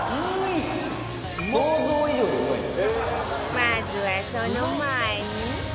まずはその前に